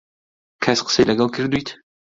کەس قسەی لەگەڵ کردوویت؟